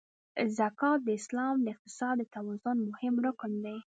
زکات د اسلام د اقتصاد د توازن مهم رکن دی.